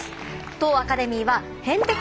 当アカデミーはへんてこ